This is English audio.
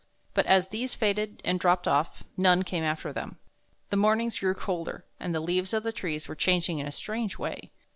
But as these faded and dropped off, none came after them. The mornings grew colder, and the leaves on the trees were changing in a strange way.